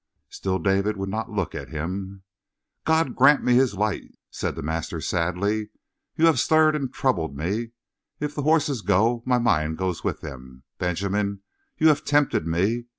Still David would not look at him. "God grant me His light," said the master sadly. "You have stirred and troubled me. If the horses go, my mind goes with them. Benjamin, you have tempted me.